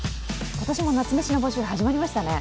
今年も夏メシの募集始まりましたね。